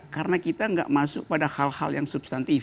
karena kita tidak masuk pada hal hal yang substantif